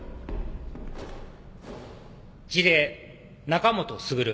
辞令中本優。